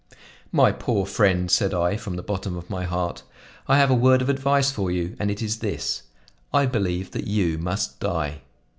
"My poor friend," said I, from the bottom of my heart, "I have a word of advice for you, and it is this: I believe that you must die.